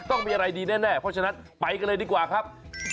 ต้องมีอะไรดีแน่เพราะฉะนั้นไปกันเลยดีกว่าครับ